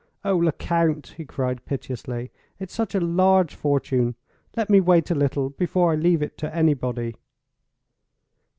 "Oh, Lecount," he cried, piteously, "it's such a large fortune! Let me wait a little before I leave it to anybody."